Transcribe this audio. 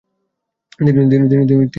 তিনি সাধক সঙ্গীতের দল তৈরী করেন।